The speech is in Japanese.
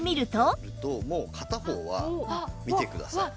もう片方は見てください。